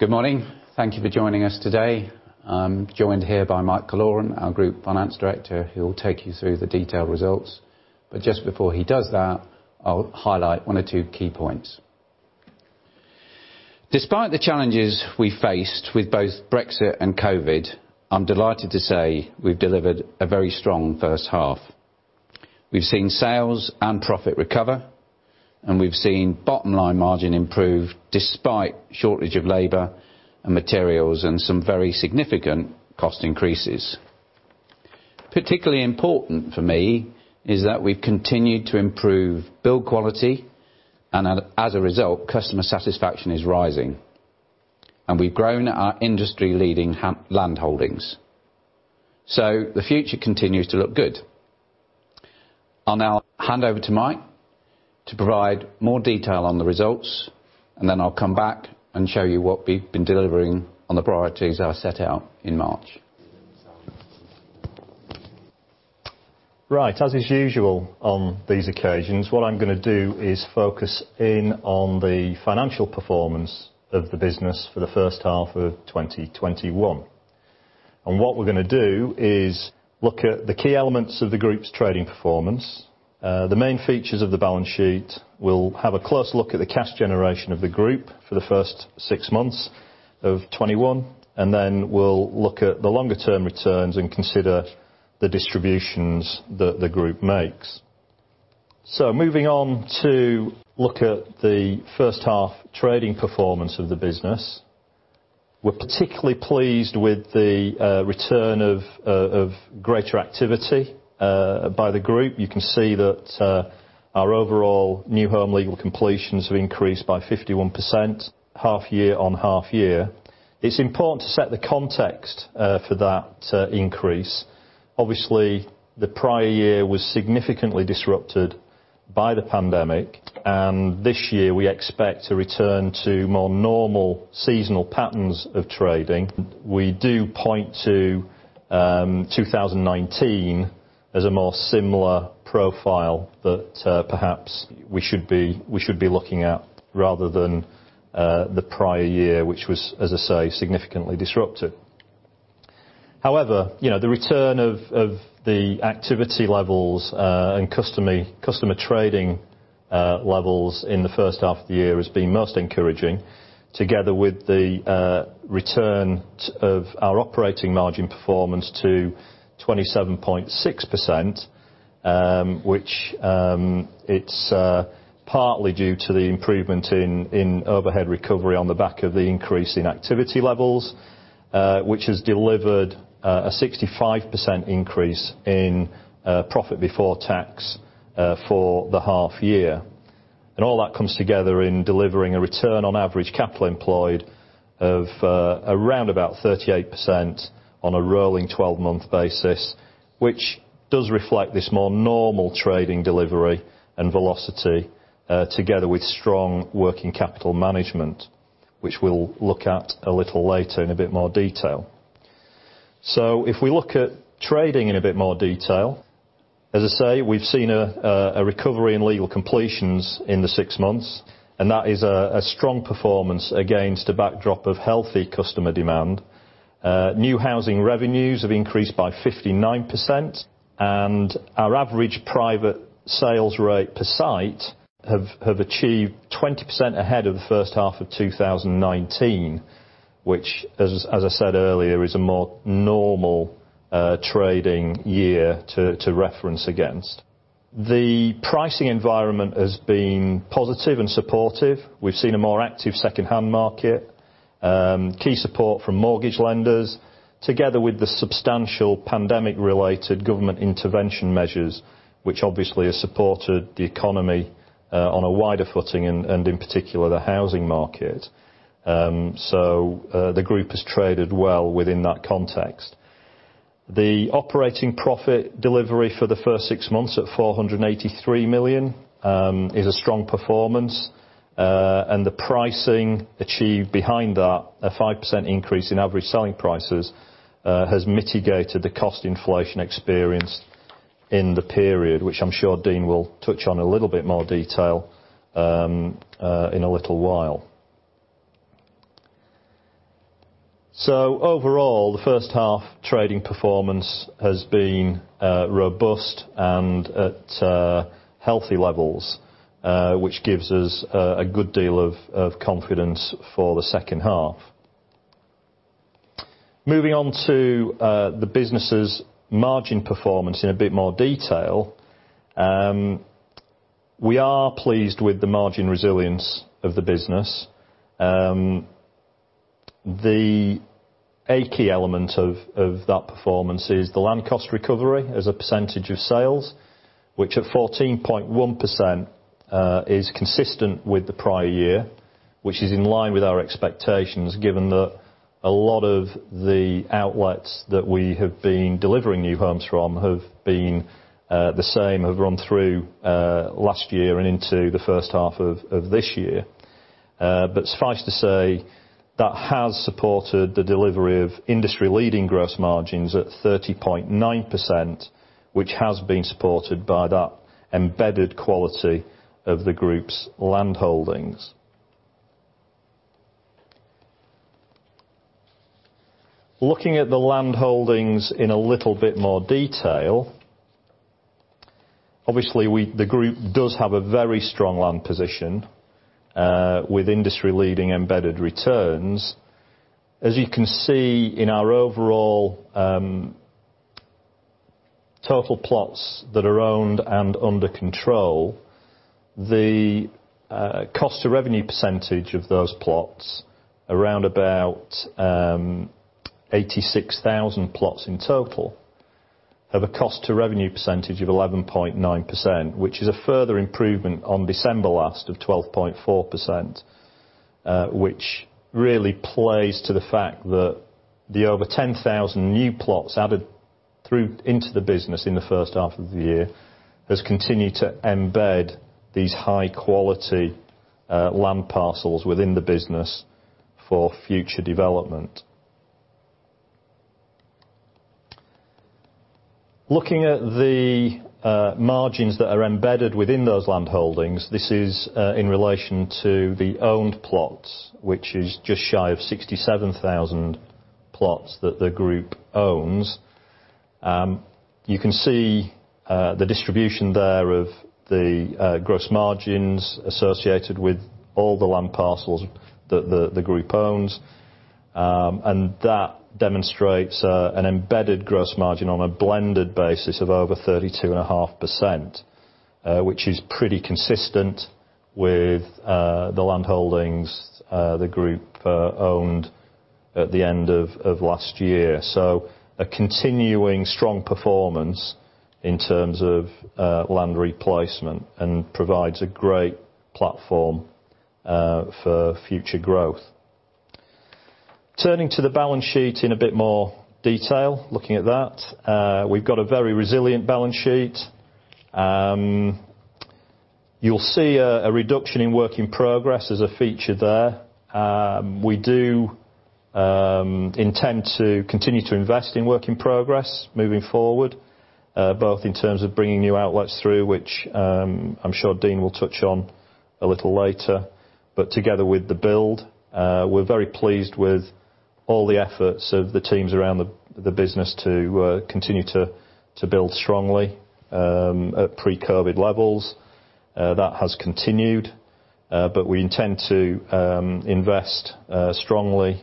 Good morning. Thank you for joining us today. I'm joined here by Mike Killoran, our Group Finance Director, who will take you through the detailed results. Just before he does that, I'll highlight one or two key points. Despite the challenges we faced with both Brexit and COVID, I'm delighted to say we've delivered a very strong first half. We've seen sales and profit recover, and we've seen bottom line margin improve despite shortage of labor and materials and some very significant cost increases. Particularly important for me is that we've continued to improve build quality, and as a result, customer satisfaction is rising. We've grown our industry leading land holdings. The future continues to look good. I'll now hand over to Mike to provide more detail on the results, and then I'll come back and show you what we've been delivering on the priorities I set out in March. Right. As is usual on these occasions, what I'm going to do is focus in on the financial performance of the business for the first half of 2021. What we're going to do is look at the key elements of the group's trading performance, the main features of the balance sheet. We'll have a close look at the cash generation of the group for the first six months of 2021. Then we'll look at the longer term returns and consider the distributions that the group makes. Moving on to look at the first half trading performance of the business. We're particularly pleased with the return of greater activity by the group. You can see that our overall new home legal completions have increased by 51% half year on half year. It's important to set the context for that increase. Obviously, the prior year was significantly disrupted by the pandemic, and this year we expect to return to more normal seasonal patterns of trading. We do point to 2019 as a more similar profile that perhaps we should be looking at rather than the prior year, which was, as I say, significantly disrupted. The return of the activity levels and customer trading levels in the first half of the year has been most encouraging, together with the return of our operating margin performance to 27.6%, which it's partly due to the improvement in overhead recovery on the back of the increase in activity levels, which has delivered a 65% increase in profit before tax for the half year. All that comes together in delivering a return on average capital employed of around about 38% on a rolling 12-month basis, which does reflect this more normal trading delivery and velocity, together with strong working capital management, which we'll look at a little later in a bit more detail. If we look at trading in a bit more detail, as I say, we've seen a recovery in legal completions in the six months, and that is a strong performance against a backdrop of healthy customer demand. New housing revenues have increased by 59%, and our average private sales rate per site have achieved 20% ahead of the first half of 2019, which, as I said earlier, is a more normal trading year to reference against. The pricing environment has been positive and supportive. We've seen a more active second hand market, key support from mortgage lenders, together with the substantial pandemic related government intervention measures, which obviously has supported the economy on a wider footing and in particular, the housing market. The group has traded well within that context. The operating profit delivery for the first six months at 483 million is a strong performance, and the pricing achieved behind that, a 5% increase in average selling prices, has mitigated the cost inflation experienced in the period, which I'm sure Dean will touch on a little bit more detail in a little while. Overall, the first half trading performance has been robust and at healthy levels, which gives us a good deal of confidence for the second half. Moving on to the business's margin performance in a bit more detail. We are pleased with the margin resilience of the business. A key element of that performance is the land cost recovery as a percentage of sales, which at 14.1% is consistent with the prior year, which is in line with our expectations given that a lot of the outlets that we have been delivering new homes from have been the same, have run through last year and into the first half of this year. Suffice to say, that has supported the delivery of industry leading gross margins at 30.9%, which has been supported by that embedded quality of the group's land holdings. Looking at the land holdings in a little bit more detail. Obviously, the group does have a very strong land position, with industry-leading embedded returns. As you can see in our overall total plots that are owned and under control, the cost to revenue percentage of those plots, around about 86,000 plots in total, have a cost to revenue percentage of 11.9%, which is a further improvement on December last of 12.4%, which really plays to the fact that the over 10,000 new plots added through into the business in the first half of the year, has continued to embed these high-quality land parcels within the business for future development. Looking at the margins that are embedded within those land holdings. This is in relation to the owned plots, which is just shy of 67,000 plots that the group owns. You can see the distribution there of the gross margins associated with all the land parcels that the group owns. That demonstrates an embedded gross margin on a blended basis of over 32.5%, which is pretty consistent with the land holdings the group owned at the end of last year. A continuing strong performance in terms of land replacement and provides a great platform for future growth. Turning to the balance sheet in a bit more detail. Looking at that, we've got a very resilient balance sheet. You'll see a reduction in work in progress as a feature there. We do intend to continue to invest in work in progress moving forward, both in terms of bringing new outlets through, which I'm sure Dean will touch on a little later, but together with the build. We're very pleased with all the efforts of the teams around the business to continue to build strongly at pre-COVID levels. That has continued. We intend to invest strongly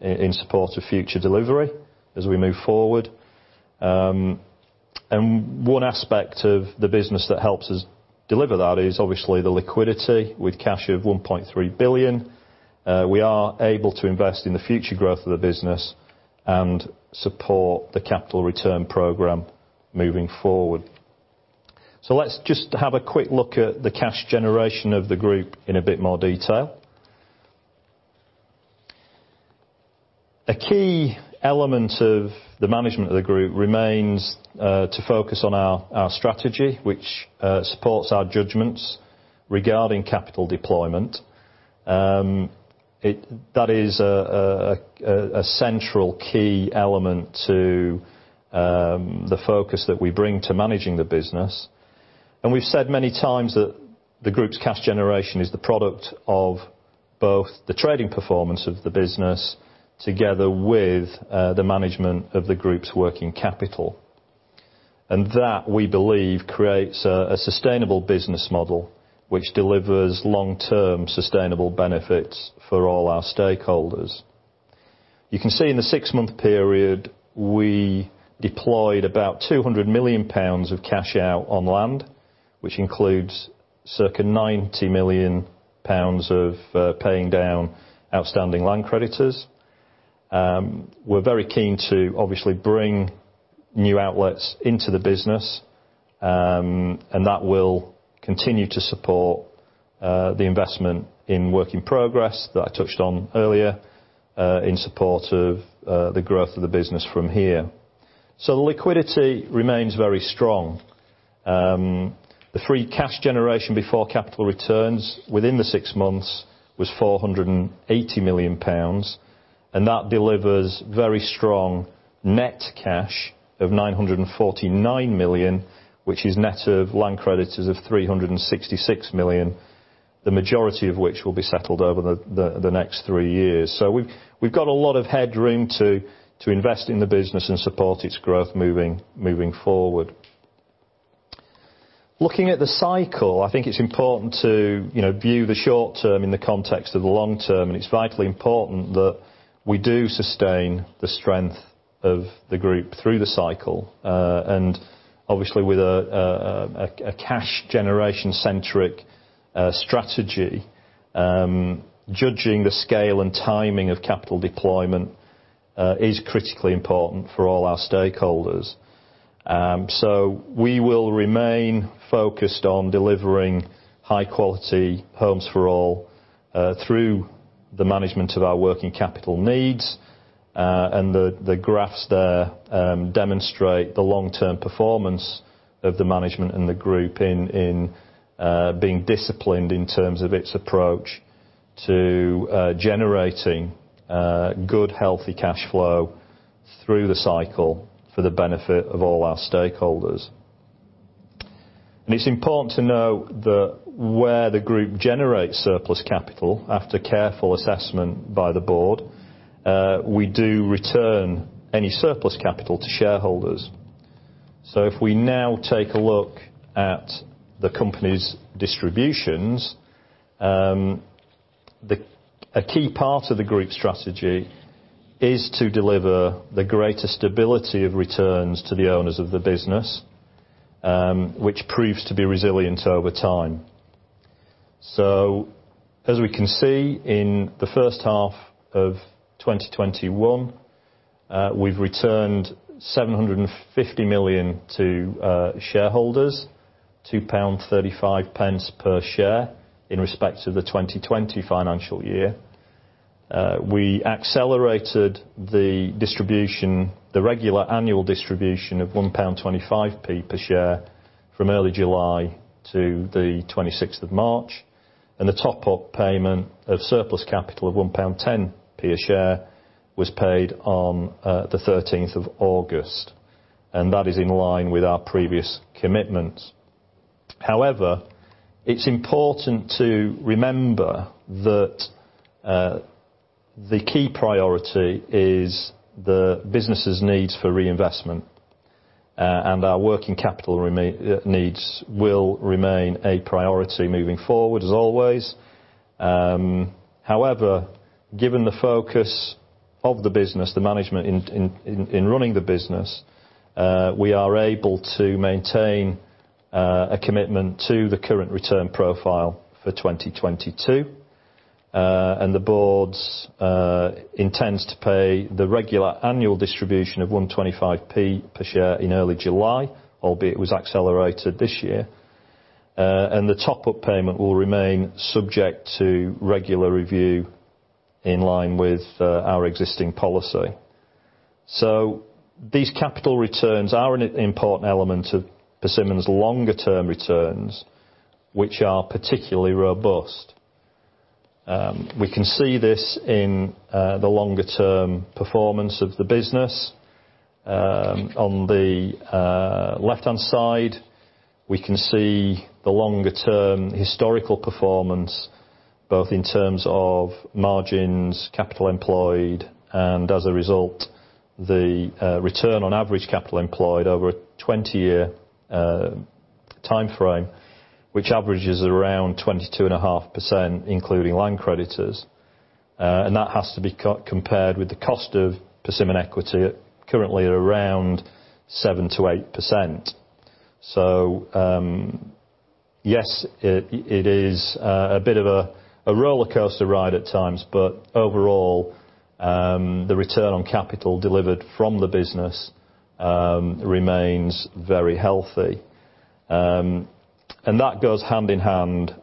in support of future delivery as we move forward. One aspect of the business that helps us deliver that is obviously the liquidity with cash of 1.3 billion. We are able to invest in the future growth of the business and support the capital return program moving forward. Let's just have a quick look at the cash generation of the group in a bit more detail. A key element of the management of the group remains to focus on our strategy, which supports our judgments regarding capital deployment. That is a central key element to the focus that we bring to managing the business. We've said many times that the group's cash generation is the product of both the trading performance of the business together with the management of the group's working capital. That, we believe, creates a sustainable business model, which delivers long-term sustainable benefits for all our stakeholders. You can see in the six-month period, we deployed about 200 million pounds of cash out on land, which includes circa 90 million pounds of paying down outstanding land creditors. We're very keen to obviously bring new outlets into the business, and that will continue to support the investment in work in progress that I touched on earlier, in support of the growth of the business from here. The liquidity remains very strong. The free cash generation before capital returns within the six months was 480 million pounds, that delivers very strong net cash of 949 million, which is net of land creditors of 366 million, the majority of which will be settled over the next three years. We've got a lot of headroom to invest in the business and support its growth moving forward. Looking at the cycle, I think it's important to view the short term in the context of the long term, and it's vitally important that we do sustain the strength of the group through the cycle. Obviously with a cash generation centric strategy, judging the scale and timing of capital deployment is critically important for all our stakeholders. We will remain focused on delivering high quality homes for all through the management of our working capital needs. The graphs there demonstrate the long-term performance of the management and the group in being disciplined in terms of its approach to generating good, healthy cash flow through the cycle for the benefit of all our stakeholders. It's important to know that where the group generates surplus capital, after careful assessment by the board, we do return any surplus capital to shareholders. If we now take a look at the company's distributions, a key part of the group strategy is to deliver the greatest ability of returns to the owners of the business, which proves to be resilient over time. As we can see, in the first half of 2021, we've returned 750 million to shareholders, 2.35 pound per share in respect to the 2020 financial year. We accelerated the distribution, the regular annual distribution of 1.25 pound per share from early July to the 26th of March, and the top-up payment of surplus capital of 1.10 pound per share was paid on the 13th of August. That is in line with our previous commitments. However, it's important to remember that the key priority is the business' needs for reinvestment, and our working capital needs will remain a priority moving forward as always. However, given the focus of the business, the management in running the business, we are able to maintain a commitment to the current return profile for 2022. The Board intends to pay the regular annual distribution of 1.25 per share in early July, albeit it was accelerated this year. The top-up payment will remain subject to regular review in line with our existing policy. These capital returns are an important element of Persimmon's longer term returns, which are particularly robust. We can see this in the longer term performance of the business. On the left-hand side, we can see the longer term historical performance, both in terms of margins, capital employed, and as a result, the return on average capital employed over a 20-year time frame, which averages around 22.5%, including land creditors. That has to be compared with the cost of Persimmon equity currently at around 7%-8%. Yes, it is a bit of a rollercoaster ride at times, but overall, the return on capital delivered from the business remains very healthy. That goes hand in hand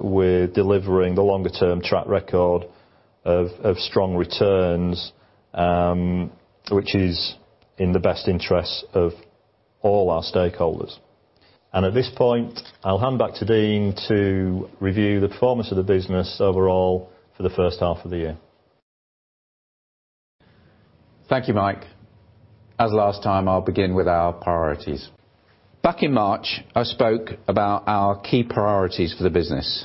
with delivering the longer term track record of strong returns, which is in the best interests of all our stakeholders. At this point, I'll hand back to Dean to review the performance of the business overall for the first half of the year. Thank you, Mike. As last time, I'll begin with our priorities. Back in March, I spoke about our key priorities for the business.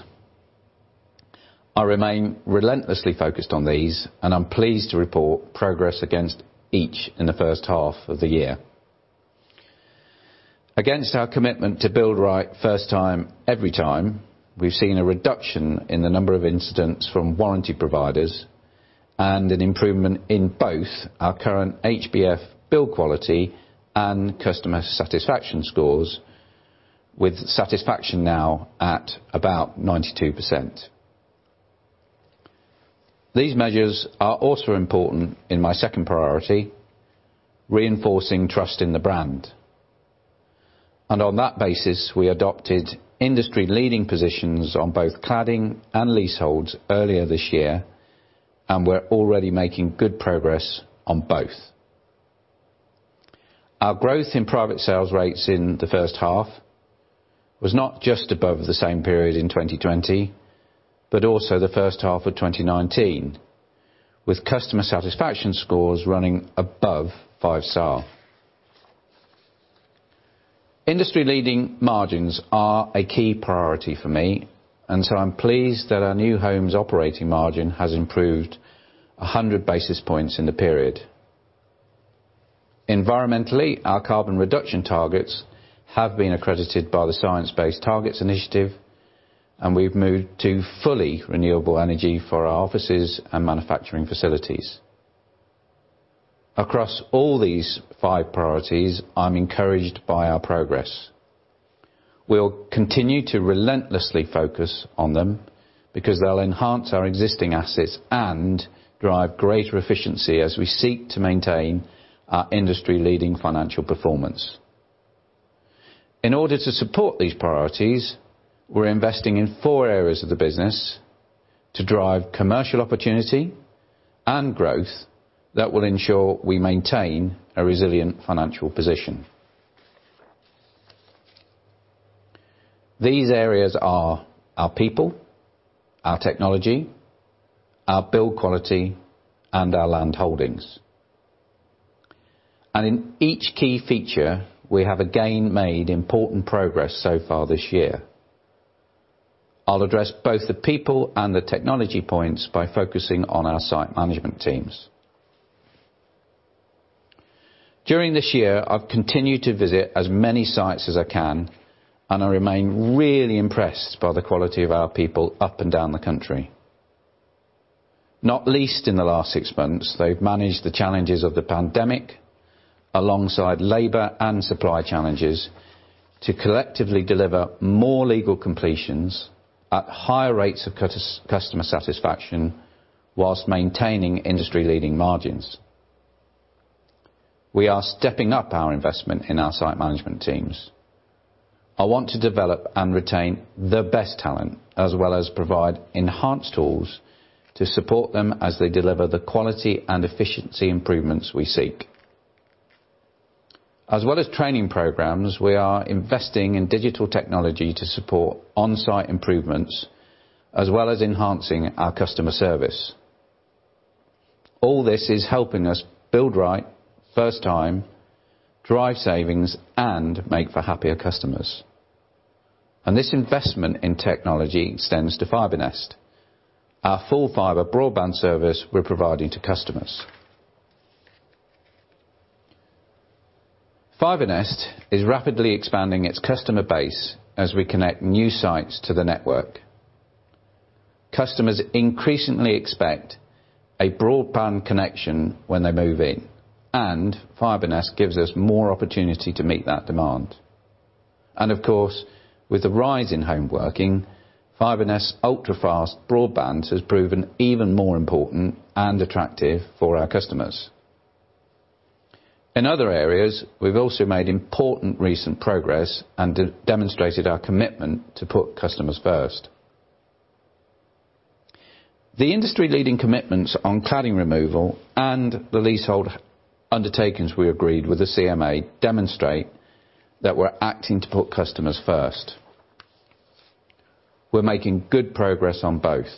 I remain relentlessly focused on these, and I'm pleased to report progress against each in the first half of the year. Against our commitment to build right first time every time, we've seen a reduction in the number of incidents from warranty providers and an improvement in both our current HBF build quality and customer satisfaction scores, with satisfaction now at about 92%. These measures are also important in my second priority, reinforcing trust in the brand. On that basis, we adopted industry leading positions on both cladding and leaseholds earlier this year, and we're already making good progress on both. Our growth in private sales rates in the first half was not just above the same period in 2020, but also the first half of 2019, with customer satisfaction scores running above five star. Industry leading margins are a key priority for me, I'm pleased that our new homes operating margin has improved 100 basis points in the period. Environmentally, our carbon reduction targets have been accredited by the Science Based Targets initiative, and we've moved to fully renewable energy for our offices and manufacturing facilities. Across all these five priorities, I'm encouraged by our progress. We'll continue to relentlessly focus on them because they'll enhance our existing assets and drive greater efficiency as we seek to maintain our industry leading financial performance. In order to support these priorities, we're investing in four areas of the business to drive commercial opportunity and growth that will ensure we maintain a resilient financial position. These areas are our people, our technology, our build quality, and our land holdings. In each key feature, we have again made important progress so far this year. I'll address both the people and the technology points by focusing on our site management teams. During this year, I've continued to visit as many sites as I can, and I remain really impressed by the quality of our people up and down the country. Not least in the last six months, they've managed the challenges of the pandemic alongside labor and supply challenges to collectively deliver more legal completions at higher rates of customer satisfaction while maintaining industry leading margins. We are stepping up our investment in our site management teams. I want to develop and retain the best talent as well as provide enhanced tools to support them as they deliver the quality and efficiency improvements we seek. Training programs, we are investing in digital technology to support onsite improvements as well as enhancing our customer service. All this is helping us build right first time, drive savings, and make for happier customers. This investment in technology extends to FibreNest, our full fiber broadband service we're providing to customers. FibreNest is rapidly expanding its customer base as we connect new sites to the network. Customers increasingly expect a broadband connection when they move in, and FibreNest gives us more opportunity to meet that demand. Of course, with the rise in home working, FibreNest ultra fast broadband has proven even more important and attractive for our customers. In other areas, we've also made important recent progress and demonstrated our commitment to put customers first. The industry leading commitments on cladding removal and the leasehold undertakings we agreed with the CMA demonstrate that we're acting to put customers first. We're making good progress on both.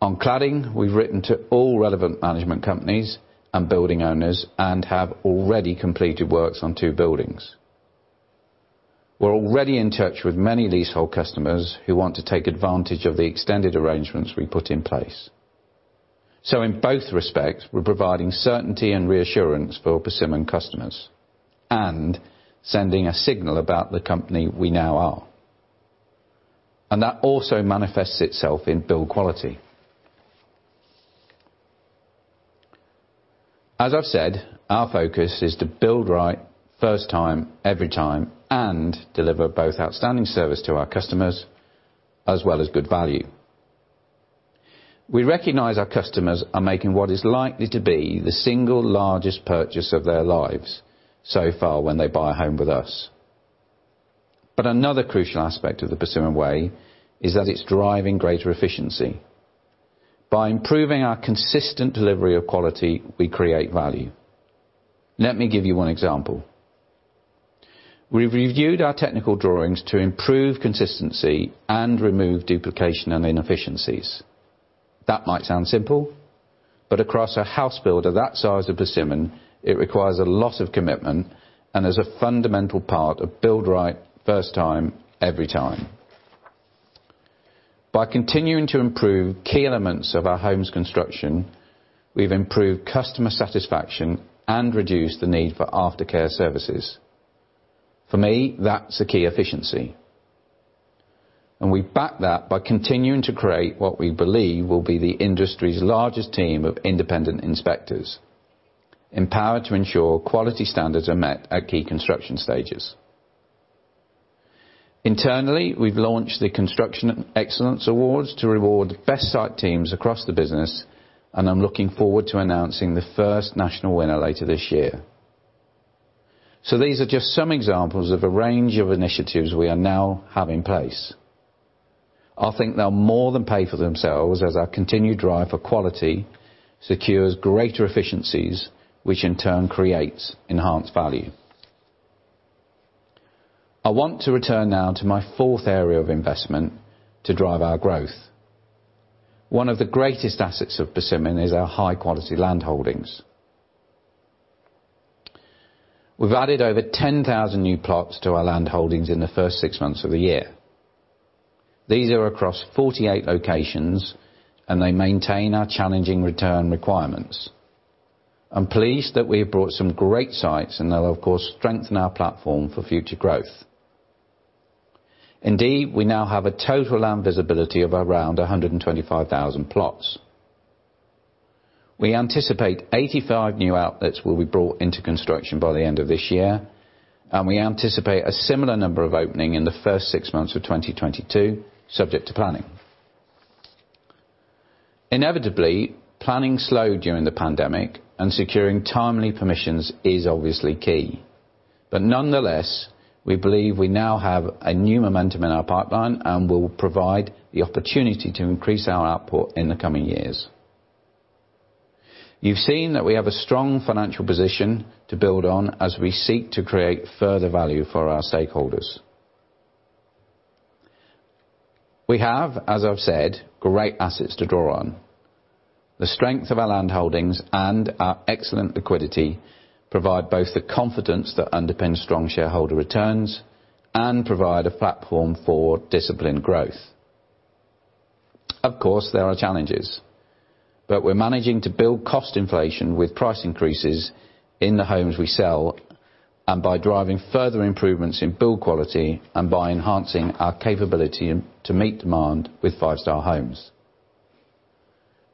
On cladding, we've written to all relevant management companies and building owners and have already completed works on two buildings. We're already in touch with many leasehold customers who want to take advantage of the extended arrangements we put in place. In both respects, we're providing certainty and reassurance for Persimmon customers and sending a signal about the company we now are. That also manifests itself in build quality. As I've said, our focus is to build right first time, every time, and deliver both outstanding service to our customers as well as good value. We recognize our customers are making what is likely to be the single largest purchase of their lives so far when they buy a home with us. Another crucial aspect of the Persimmon Way is that it's driving greater efficiency. By improving our consistent delivery of quality, we create value. Let me give you one example. We've reviewed our technical drawings to improve consistency and remove duplication and inefficiencies. That might sound simple, but across a housebuilder that size of Persimmon, it requires a lot of commitment and is a fundamental part of build right first time every time. By continuing to improve key elements of our homes construction, we've improved customer satisfaction and reduced the need for aftercare services. For me, that's a key efficiency. We back that by continuing to create what we believe will be the industry's largest team of independent inspectors, empowered to ensure quality standards are met at key construction stages. Internally, we've launched the Construction Excellence Awards to reward best site teams across the business, and I'm looking forward to announcing the first national winner later this year. These are just some examples of a range of initiatives we now have in place. I think they'll more than pay for themselves as our continued drive for quality secures greater efficiencies, which in turn creates enhanced value. I want to return now to my fourth area of investment to drive our growth. One of the greatest assets of Persimmon is our high quality land holdings. We've added over 10,000 new plots to our land holdings in the first six months of the year. These are across 48 locations, and they maintain our challenging return requirements. I'm pleased that we have brought some great sites and they'll, of course, strengthen our platform for future growth. Indeed, we now have a total land visibility of around 125,000 plots. We anticipate 85 new outlets will be brought into construction by the end of this year, and we anticipate a similar number of opening in the first six months of 2022, subject to planning. Inevitably, planning slowed during the pandemic and securing timely permissions is obviously key. Nonetheless, we believe we now have a new momentum in our pipeline and will provide the opportunity to increase our output in the coming years. You've seen that we have a strong financial position to build on as we seek to create further value for our stakeholders. We have, as I've said, great assets to draw on. The strength of our land holdings and our excellent liquidity provide both the confidence that underpins strong shareholder returns and provide a platform for disciplined growth. Of course, there are challenges, but we're managing to build cost inflation with price increases in the homes we sell, and by driving further improvements in build quality and by enhancing our capability to meet demand with five-star homes.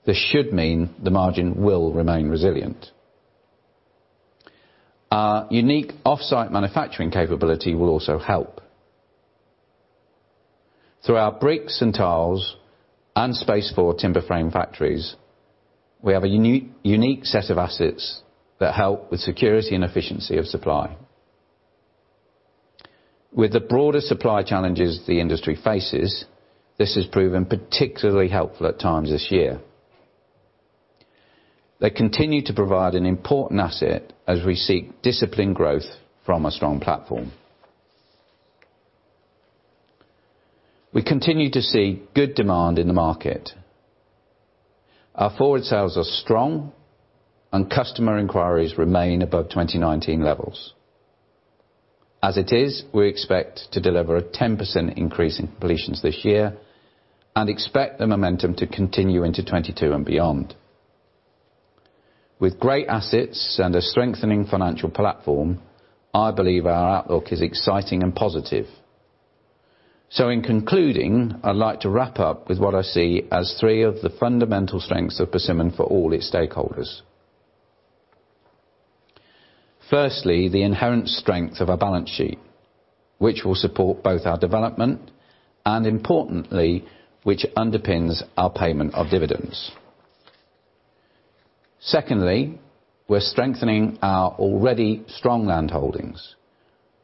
This should mean the margin will remain resilient. Our unique offsite manufacturing capability will also help. Through our Brickworks and Tileworks and Space4 timber frame factories, we have a unique set of assets that help with security and efficiency of supply. With the broader supply challenges the industry faces, this has proven particularly helpful at times this year. They continue to provide an important asset as we seek disciplined growth from a strong platform. We continue to see good demand in the market. Our forward sales are strong. Customer inquiries remain above 2019 levels. As it is, we expect to deliver a 10% increase in completions this year. We expect the momentum to continue into 2022 and beyond. With great assets and a strengthening financial platform, I believe our outlook is exciting and positive. In concluding, I'd like to wrap up with what I see as three of the fundamental strengths of Persimmon for all its stakeholders. Firstly, the inherent strength of our balance sheet, which will support both our development and importantly, which underpins our payment of dividends. Secondly, we're strengthening our already strong land holdings.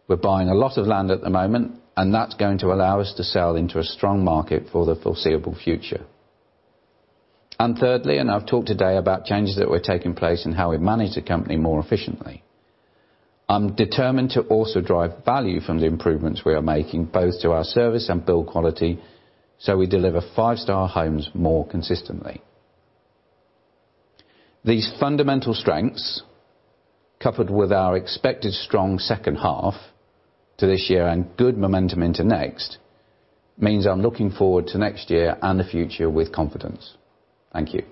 We're buying a lot of land at the moment. That's going to allow us to sell into a strong market for the foreseeable future. Thirdly, I've talked today about changes that were taking place and how we manage the company more efficiently. I'm determined to also drive value from the improvements we are making, both to our service and build quality, so we deliver five-star homes more consistently. These fundamental strengths, coupled with our expected strong 2nd half to this year and good momentum into next, means I'm looking forward to next year and the future with confidence. Thank you.